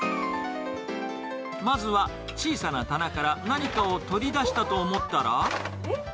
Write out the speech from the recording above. まずは小さな棚から何かを取り出したと思ったら。